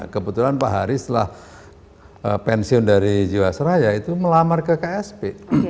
kebetulan pak hari setelah pensiun dari jiwasraya itu melamar ke ksp